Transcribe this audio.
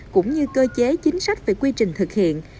cũng như cơ chế chính sách về quy trình thực hiện